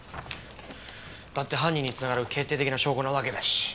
だって犯人に繋がる決定的な証拠なわけだし。